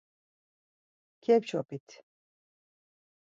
Kep̌ç̌opit!